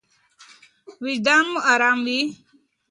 وجدان مو ارام وي.